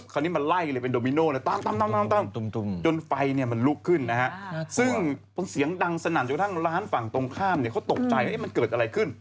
คราวนี้มันไล่เลยเป็นโดมิโน่เลยจนไฟเนี่ยมันลุกขึ้นนะฮะซึ่งเสียงดังสนั่นจนกระทั่งร้านฝั่งตรงข้ามเนี่ยเขาตกใจมันเกิดอะไรขึ้น